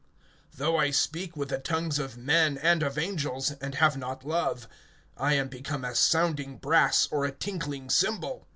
(1)Though I speak with the tongues of men and of angels, and have not love, I am become as sounding brass, or a tinkling cymbal.